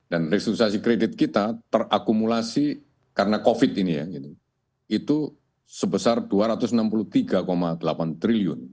dan restrukturisasi kredit kita terakumulasi karena covid ini ya itu sebesar rp dua ratus enam puluh tiga delapan triliun